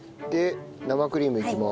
生クリームいきます。